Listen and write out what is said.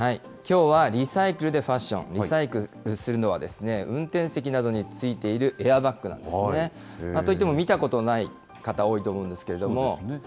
きょうはリサイクルでファッション、リサイクルするのは、運転席などに付いているエアバッグなんですね。といっても見たことない方、多いと思うんですけれども。